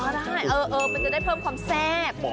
ก็ได้มันจะได้เพิ่มความแซ่บ